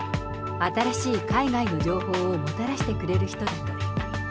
新しい海外の情報をもたらしてくれる人だと。